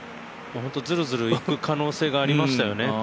ずるずるいく可能性がありましたよね